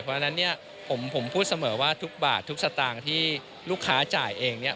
เพราะฉะนั้นเนี่ยผมพูดเสมอว่าทุกบาททุกสตางค์ที่ลูกค้าจ่ายเองเนี่ย